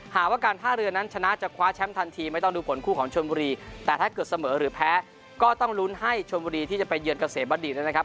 หากว่าการท่าเรือนั้นชนะจะคว้าแชมป์ทันทีไม่ต้องดูผลคู่ของชนบุรีแต่ถ้าเกิดเสมอหรือแพ้ก็ต้องลุ้นให้ชนบุรีที่จะไปเยือนเกษมบัณฑิตนะครับ